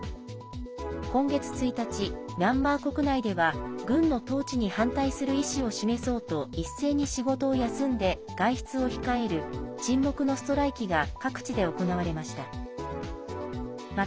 今月１日、ミャンマー国内では軍の統治に反対する意思を示そうと一斉に仕事を休んで外出を控える沈黙のストライキが各地で行われました。